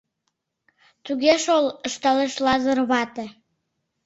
Туге шол, — ышталеш Лазыр вате.